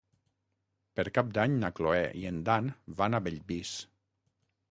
Per Cap d'Any na Cloè i en Dan van a Bellvís.